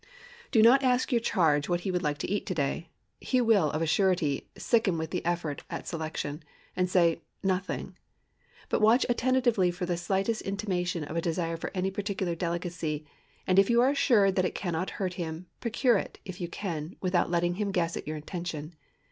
Do not ask your charge what he would like to eat to day. He will, of a surety, sicken with the effort at selection, and say, "Nothing!" But watch attentively for the slightest intimation of a desire for any particular delicacy, and if you are assured that it cannot hurt him, procure it, if you can, without letting him guess at your intention.